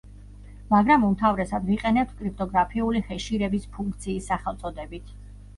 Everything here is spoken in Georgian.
მაგრამ უმთავრესად ვიყენებთ კრიპტოგრაფიული ჰეშირების ფუნქციის სახელწოდებით.